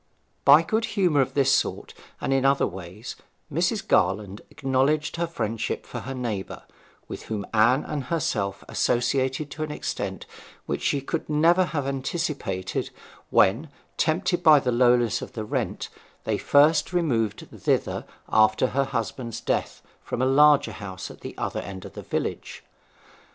By good humour of this sort, and in other ways, Mrs. Garland acknowledged her friendship for her neighbour, with whom Anne and herself associated to an extent which she never could have anticipated when, tempted by the lowness of the rent, they first removed thither after her husband's death from a larger house at the other end of the village.